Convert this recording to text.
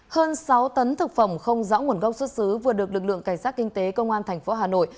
hơn sáu tấn thực phẩm không rõ nguồn gốc xuất xứ vừa được lực lượng cảnh sát kinh tế công an tp hà nội